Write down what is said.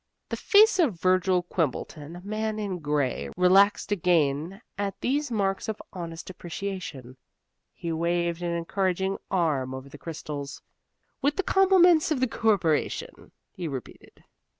The face of Virgil Quimbleton, the man in gray, relaxed again at these marks of honest appreciation. He waved an encouraging arm over the crystals. "With the compliments of the Corporation," he repeated.